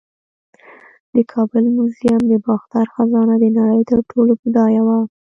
د کابل میوزیم د باختر خزانه د نړۍ تر ټولو بډایه وه